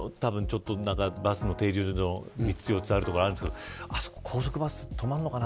バスの停留所の３つ４つとかあるんですけど果たして高速バスとか止まるのかな。